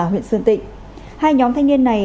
huyện sơn tịnh hai nhóm thanh niên này